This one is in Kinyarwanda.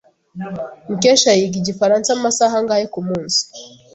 Mukesha yiga igifaransa amasaha angahe kumunsi?